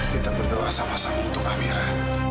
kita berdoa sama sama untuk amira